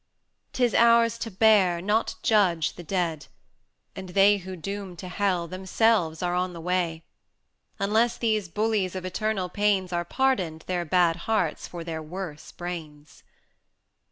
'Tis ours to bear, not judge the dead; and they Who doom to Hell, themselves are on the way, Unless these bullies of eternal pains Are pardoned their bad hearts for their worse brains.